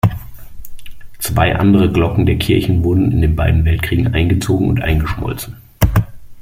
Zwei andere Glocken der Kirche wurden in den beiden Weltkriegen eingezogen und eingeschmolzen.